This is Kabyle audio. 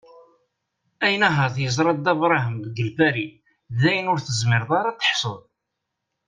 Ayen ahat yeẓra Dda Brahem deg Lpari dayen ur tezmireḍ ad teḥsuḍ.